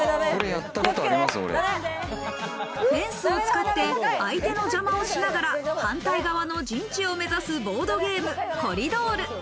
フェンスを使って相手の邪魔をしながら反対側の陣地を目指すボードゲーム、コリドール。